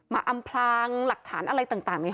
มาอำรางหลักฐานอะไรต่างในนี้